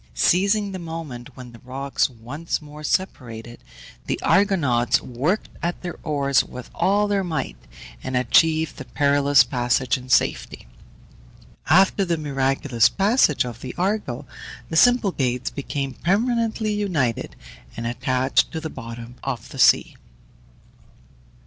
Seizing the moment when the rocks once more separated, the Argonauts worked at their oars with all their might, and achieved the perilous passage in safety. After the miraculous passage of the Argo, the Symplegades became permanently united, and attached to the bottom of the sea.